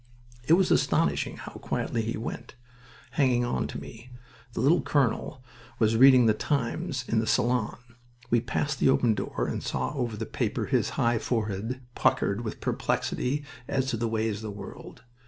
It was astonishing how quietly he went, hanging on to me. The little colonel was reading The Times in the salon. We passed the open door, and saw over the paper his high forehead puckered with perplexity as to the ways of the world.